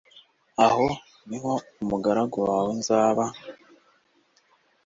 aho ni ho umugaragu wawe nzaba.